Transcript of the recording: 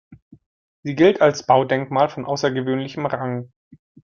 Sie gilt als Baudenkmal von außergewöhnlichem Rang.